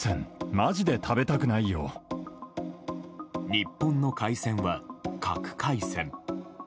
日本の海鮮は、核海鮮。